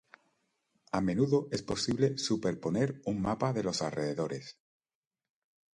A menudo, es posible superponer un mapa de los alrededores.